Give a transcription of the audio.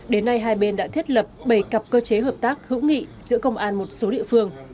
đến nay hai bên đã thiết lập bảy cặp cơ chế hợp tác hữu nghị giữa công an một số địa phương